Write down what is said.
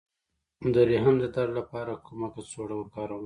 د رحم د درد لپاره کومه کڅوړه وکاروم؟